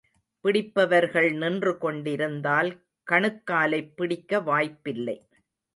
பிடிப்பவர்கள் நின்று கொண்டிருந்தால், கணுக் காலைப் பிடிக்க வாய்ப்பில்லை.